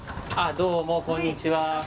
どうもこんにちは。